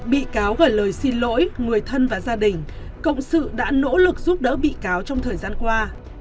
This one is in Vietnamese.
bị cáo gửi lời xin lỗi người thân và gia đình cộng sự đã nỗ lực giúp đỡ bị cáo trong thời gian qua